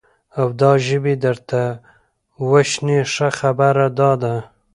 او دا ژبې درته وشني، ښه خبره دا ده،